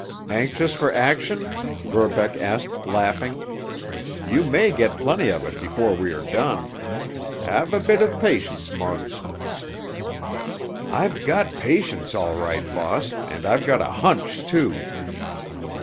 "Anxious for action?" Verbeck asked, laughing. "You may get plenty of it before we are done. Have a bit of patience, Muggs." "I've got patience, all right, boss—and I've got a hunch, too."